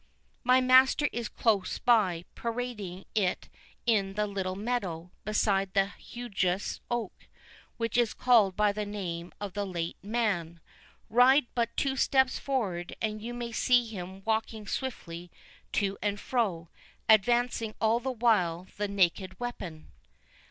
"My master is close by, parading it in the little meadow, beside the hugeous oak, which is called by the name of the late Man; ride but two steps forward, and you may see him walking swiftly to and fro, advancing all the while the naked weapon."